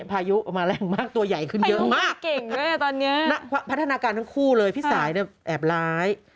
พัฒนาการทั้งคู่เลยพี่สายแอบร้าย